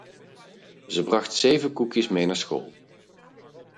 Ze bracht zeven koekjes mee naar school.